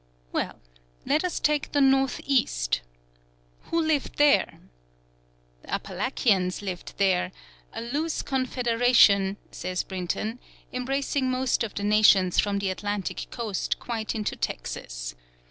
Well, let us take the north east. Who lived there? The Apalachians lived there, "a loose confederation," says Brinton, "embracing most of the nations from the Atlantic coast quite into Texas."